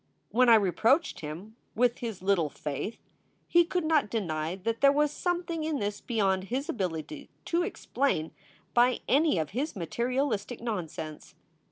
When I reproached him with his little faith he could not deny that there was something in this beyond his ability to explain by any of his materialistic nonsense.